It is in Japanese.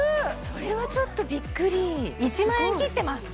それはちょっとびっくり１万円切ってます！